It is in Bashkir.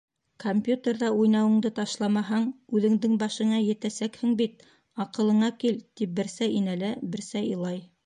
Компьютерҙа уйнауыңды ташламаһаң, үҙеңдең башыңа етәсәкһең бит, аҡылыңа кил, тип берсә инәлә, берсә илай.